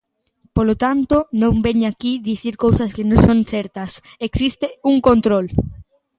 Polo tanto, non veña aquí dicir cousas que non son certas: existe un control.